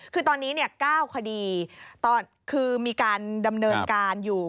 คือตอนนี้๙คดีคือมีการดำเนินการอยู่